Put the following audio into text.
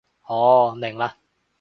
哦，明嘞